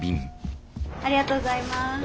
ありがとうございます。